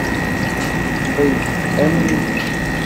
Ttxil-k, amen-iyi.